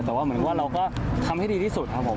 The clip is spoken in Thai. แต่ว่าเหมือนว่าเราก็ทำให้ดีที่สุดครับผม